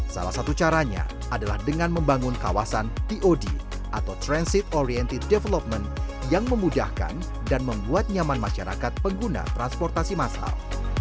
salah satu caranya adalah dengan membangun kawasan tod atau transit oriented development yang memudahkan dan membuat nyaman masyarakat pengguna transportasi massal